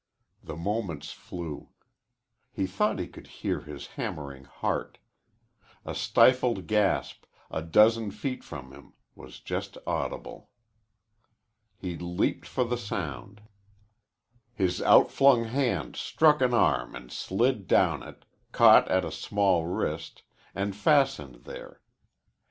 The moments flew. He thought he could hear his hammering heart. A stifled gasp, a dozen feet from him, was just audible. He leaped for the sound. His outflung hand struck an arm and slid down it, caught at a small wrist, and fastened there.